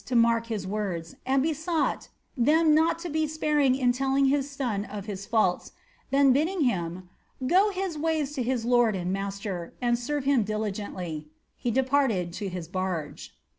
To crown all, he bade Wolsey's servants mark his words, and besought ^^ them not to be sparing in telling his son of his faults ; then bidding him ^ Go his ways to his lord and master, and serve him diligently,' he departed to his barge.